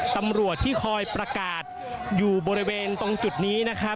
ตำรวจที่คอยประกาศอยู่บริเวณตรงจุดนี้นะครับ